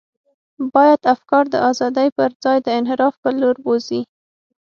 باید افکار د ازادۍ پر ځای د انحراف پر لور بوزي.